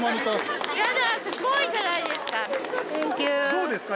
どうですか？